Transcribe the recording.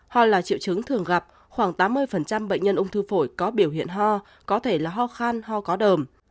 ho là triệu chứng thường gặp khoảng tám mươi bệnh nhân ung thư phổi có biểu hiện ho có thể là ho khan ho có đờm